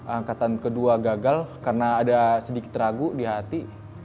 angkatan kedua gagal karena ada sedikit ragu di hati